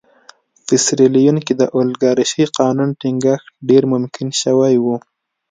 په سیریلیون کې د اولیګارشۍ قانون ټینګښت ډېر ممکن شوی و.